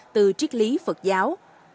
từ triết lý phật giáo